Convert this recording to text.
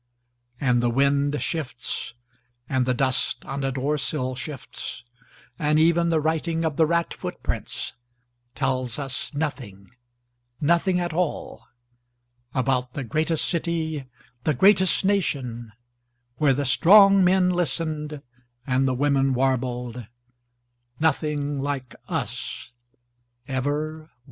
And the wind shiftsand the dust on a door sill shiftsand even the writing of the rat footprintstells us nothing, nothing at allabout the greatest city, the greatest nationwhere the strong men listenedand the women warbled: Nothing like us ever was.